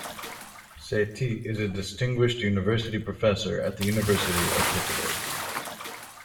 Saaty is a Distinguished University Professor at the University of Pittsburgh.